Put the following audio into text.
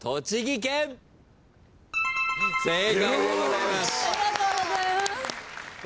正解でございます。